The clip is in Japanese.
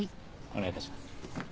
お願いいたします。